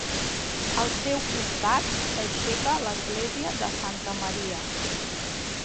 Al seu costat s'aixeca l'església de Santa Maria.